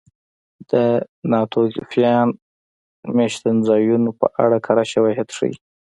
د ناتوفیان مېشتځایونو په اړه کره شواهد ښيي.